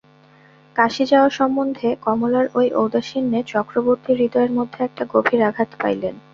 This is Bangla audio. কাশী যাওয়া সম্বন্ধে কমলার এই ঔদাসীন্যে চক্রবর্তী হৃদয়ের মধ্যে একটা গভীর আঘাত পাইলেন।